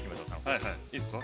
◆はいはい、いいですか。